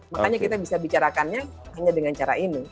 makanya kita bisa bicarakannya hanya dengan cara ini